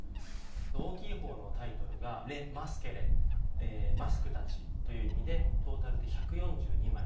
大きいほうのタイトルがマスク達という意味でトータルで１４２枚。